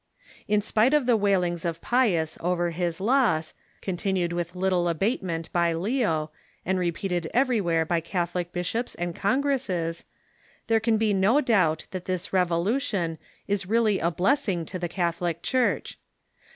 In spite of the wailings of Pius over his loss, continued with little abatement by Leo, and repeated everywhere by Catholic bishops and congresses, there can be no doubt that this revo lution is really a blessing to the Catholic Church.